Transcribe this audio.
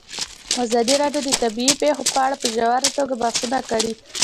ازادي راډیو د طبیعي پېښې په اړه په ژوره توګه بحثونه کړي.